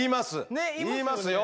ねっ言いますよね。